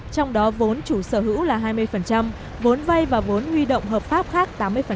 trong đó vốn chủ sở hữu là hai mươi vốn vay và vốn huy động hợp pháp khác tám mươi